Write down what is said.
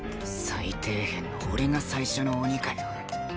最底辺の俺が最初のオニかよ。